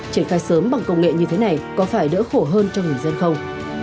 triển khai sớm bằng công nghệ như thế này có phải đỡ khổ hơn cho người dân không